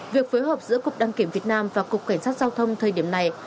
việc phối hợp giữa cục đăng kiểm việt nam và cục cảnh sát giao thông thời điểm này